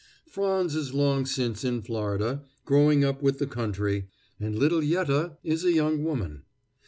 Frands is long since in Florida, growing up with the country, and little Yette is a young woman.